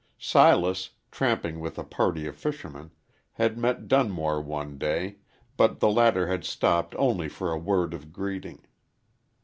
Silas, tramping with a party of fishermen, had met Dunmore one day, but the latter had stopped only for a word of greeting.